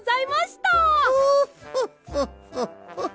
フォッフォッフォッフォッフォッ。